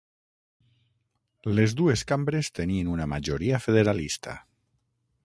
Les dues cambres tenien una majoria federalista.